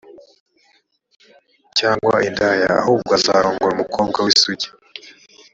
cyangwa indaya. ahubwo azarongore umukobwa w’ isugi